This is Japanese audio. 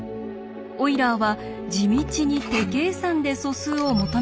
オイラーは地道に手計算で素数を求めていきました。